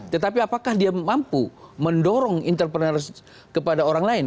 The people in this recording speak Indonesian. tetapi apakah dia mampu mendorong entrepreneur kepada orang lain